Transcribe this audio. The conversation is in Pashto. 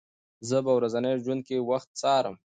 زه په ورځني ژوند کې وخت څارم.